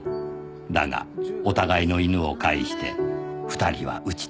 だがお互いの犬を介して２人は打ち解けた